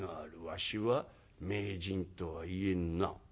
わしは名人とは言えんな」。